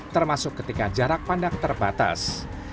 termasuk ketika jarak pandang terbatas